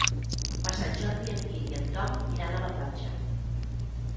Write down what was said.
Per Sant Jordi en Guim i en Tom iran a la platja.